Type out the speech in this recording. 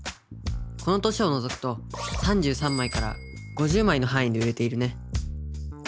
この年を除くと３３枚から５０枚のはんいで売れているね。